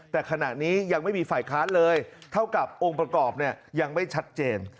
แต่ขณะนี้ยังไม่มีฝ่ายค้านเลยเท่ากับองค์ประกอบเนี่ยยังไม่ชัดเจน